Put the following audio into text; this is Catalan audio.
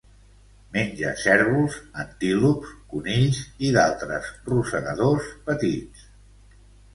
Menja cérvols, antílops, conills i d'altres rosegadors petits.